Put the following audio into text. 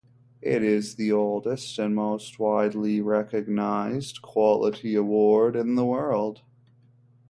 It is the oldest and most widely recognized quality award in the world.